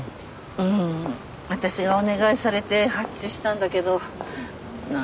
うん私がお願いされて発注したんだけど何かね。